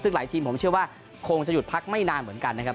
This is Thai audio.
ซึ่งหลายทีมผมเชื่อว่าคงจะหยุดพักไม่นานเหมือนกันนะครับ